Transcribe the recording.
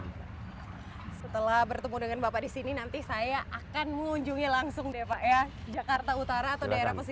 setelah bertemu dengan bapak di sini nanti saya akan mengunjungi langsung deh pak ya jakarta utara atau daerah pesisir